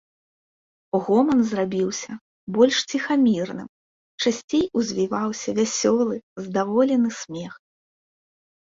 Гоман зрабіўся больш ціхамірным, часцей узвіваўся вясёлы, здаволены смех.